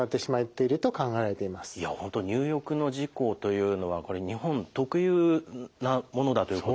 いや本当入浴の事故というのはこれ日本特有なものだということ。